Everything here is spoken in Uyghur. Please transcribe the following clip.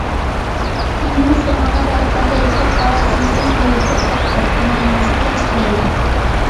ھەممىمىز ئۇنىڭغا بارىكاللاھ ئېيتىپ، ئاۋازىمىزنى قويۇۋېتىپ قاپتۇق. گۇناھىمىزنى كەچۈرگەيلا!